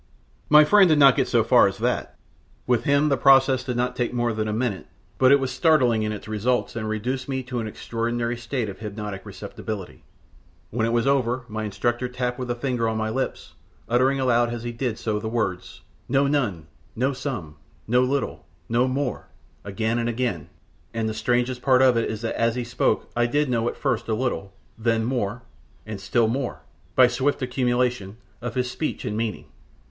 My friend did not get as far as that. With him the process did not take more than a minute, but it was startling in its results, and reduced me to an extraordinary state of hypnotic receptibility. When it was over my instructor tapped with a finger on my lips, uttering aloud as he did so the words "Know none; know some; know little; know morel" again and again; and the strangest part of it is that as he spoke I did know at first a little, then more, and still more, by swift accumulation, of his speech and meaning.